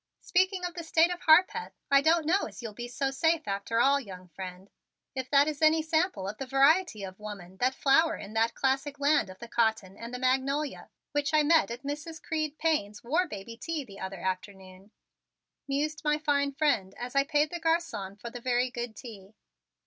"Speaking of the State of Harpeth, I don't know as you'll be so safe after all, young friend, if that is any sample of the variety of women that flower in that classic land of the cotton and the magnolia which I met at Mrs. Creed Payne's war baby tea the other afternoon," mused my fine friend as I paid the garçon for the very good tea.